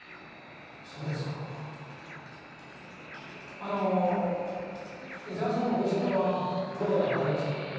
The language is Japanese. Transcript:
あの伊沢さんのご実家はどこだかわかりますか？